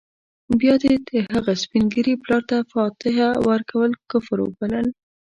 بيا دې د هغه سپین ږیري پلار ته فاتحه ورکول کفر وبلل.